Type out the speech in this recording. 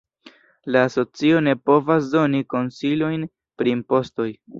La asocio ne povas doni konsilojn pri impostoj.